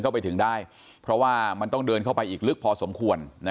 ไปถึงได้เพราะว่ามันต้องเดินเข้าไปอีกลึกพอสมควร